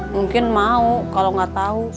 mungkin mau kalau gak tau